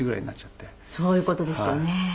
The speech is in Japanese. そういう事ですよね。